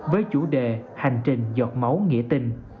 với chủ đề hành trình giọt máu nghĩa tình